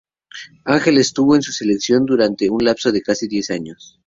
Ángel estuvo en su selección durante un lapso de casi diez años.